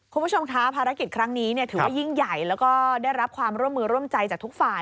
คุณผู้ชมคะภารกิจครั้งนี้ถือว่ายิ่งใหญ่แล้วก็ได้รับความร่วมมือร่วมใจจากทุกฝ่าย